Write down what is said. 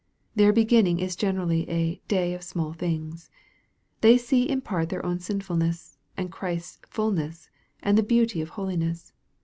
Their be ginning is generally a " day of small things." They see in part their own sinfulness, and Christ's fulness, and the beauty of holiness.